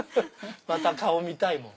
また顔見たいもん。